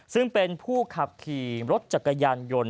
ซึ่งเป็นผู้ขับขี่รถจักรยานยนต์